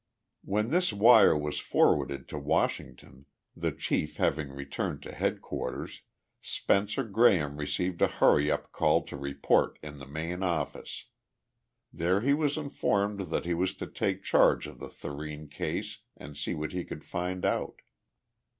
When this wire was forwarded to Washington, the chief having returned to headquarters, Spencer Graham received a hurry up call to report in the main office. There he was informed that he was to take charge of the Thurene case and see what he could find out.